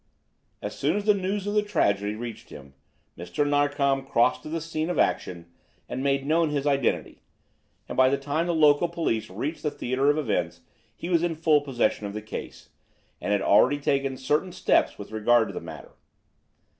As soon as the news of the tragedy reached him Mr. Narkom crossed to the scene of action and made known his identity, and by the time the local police reached the theatre of events he was in full possession of the case, and had already taken certain steps with regard to the matter.